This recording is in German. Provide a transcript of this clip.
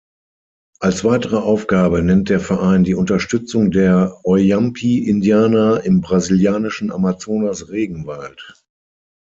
Als weitere Aufgabe nennt der Verein die Unterstützung der Oiampi-Indianer im brasilianischen Amazonas-Regenwald.